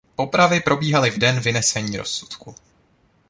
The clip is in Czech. Popravy probíhaly v den vynesení rozsudku.